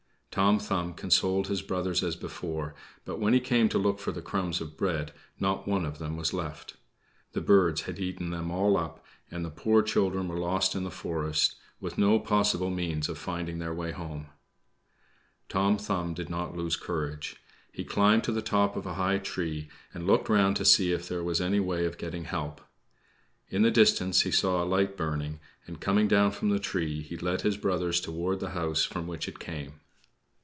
Tom Thumb consoled his brothers as before; but when he came to look for the crumbs of bread, not one of them was left. The birds had eaten them all up, and the poor children were lost in the forest, with no possible means of finding their way home. Tom Thumb did not lose courage. He climbed to the top of a high tree and looked round to see if there was any way of getting help. In the distance he saw a light burning, and, coming down from the tree, he led his brothers toward the house from which it came.